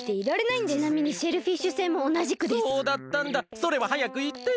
それははやくいってよ！